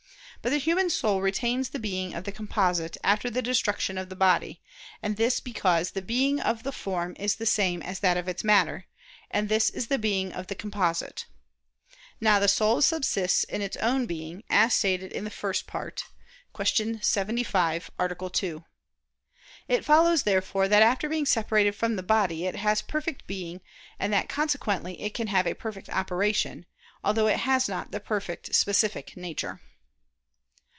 But the human soul retains the being of the composite after the destruction of the body: and this because the being of the form is the same as that of its matter, and this is the being of the composite. Now the soul subsists in its own being, as stated in the First Part (Q. 75, A. 2). It follows, therefore, that after being separated from the body it has perfect being and that consequently it can have a perfect operation; although it has not the perfect specific nature.